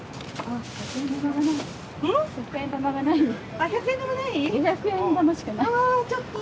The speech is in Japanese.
あ１００円玉ない？